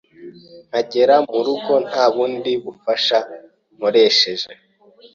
nkagera mu rugo nta bundi bufasha nkoresheje